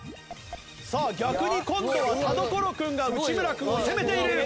さあ逆に今度は田所君が内村君を攻めている！